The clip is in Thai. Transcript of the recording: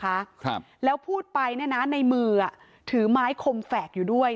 ครับแล้วพูดไปเนี้ยนะในมืออ่ะถือไม้คมแฝกอยู่ด้วย